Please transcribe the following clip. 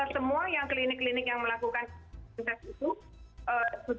semua yang klinik klinik yang melakukan tes itu